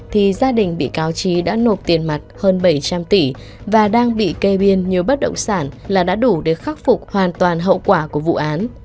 thì gia đình bị cáo trí đã nộp tiền mặt hơn bảy trăm linh tỷ và đang bị kê biên nhiều bất động sản là đã đủ để khắc phục hoàn toàn hậu quả của vụ án